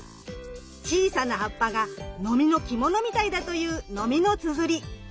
小さな葉っぱがノミの着物みたいだというノミノツヅリ。